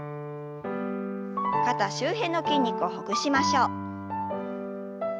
肩周辺の筋肉をほぐしましょう。